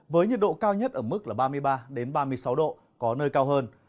với nhiệt độ cao nhất ở mức ba mươi ba ba mươi sáu độ có nơi cao hơn